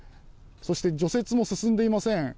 そして除雪も進んでいません。